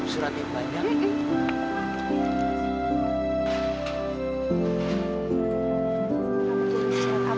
surat yang banyak